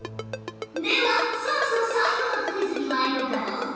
ではそろそろ最後のクイズにまいろうかのう。